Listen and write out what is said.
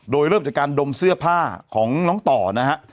โดยเริ่มจากการดมเสื้อผ้าของน้องต่อนะฮะ